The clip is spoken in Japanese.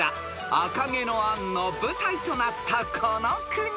［『赤毛のアン』の舞台となったこの国］